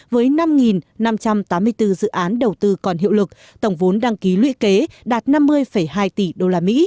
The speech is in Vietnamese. với năm năm trăm tám mươi bốn dự án đầu tư còn hiệu lực tổng vốn đăng ký lũy kế đạt năm mươi hai tỷ usd